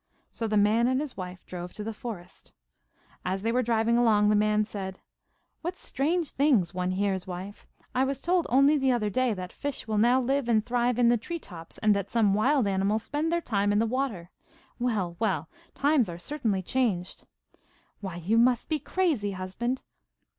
So the man and his wife drove to the forest. As they were driving along the man said: 'What strange things one hears, wife! I was told only the other day that fish will now live and thrive in the tree tops and that some wild animals spend their time in the water. Well! well! times are certainly changed.' 'Why, you must be crazy, husband!